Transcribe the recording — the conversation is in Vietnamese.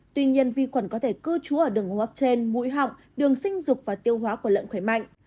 tuy nhiên vi khuẩn có thể cư trú ở đường hô hấp trên mũi họng đường sinh dục và tiêu hóa của lợn khỏe mạnh